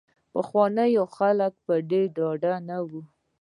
پخواني خلک په دې ډاډه نه وو.